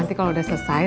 nanti kalau udah selesai